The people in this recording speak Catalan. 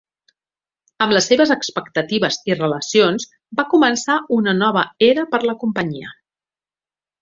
Amb les seves expectatives i relacions va començar una nova era per a la companyia.